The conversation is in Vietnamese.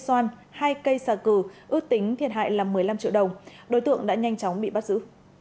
xoan hai cây xà cừ ước tính thiệt hại là một mươi năm triệu đồng đối tượng đã nhanh chóng bị bắt giữ